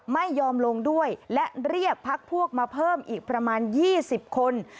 ไม่ยอมลงด้วยและเรียกพักพวกมาเพิ่มอีกประมาณ๒๐คน